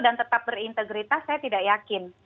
dan tetap berintegritas saya tidak yakin